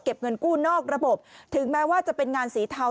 เงินกู้นอกระบบถึงแม้ว่าจะเป็นงานสีเทา